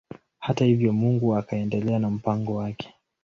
Hata hivyo Mungu akaendelea na mpango wake.